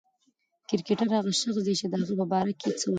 کرکټر هغه شخص دئ، چي د هغه په باره کښي څه وايي.